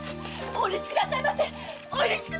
お許しくださいませ！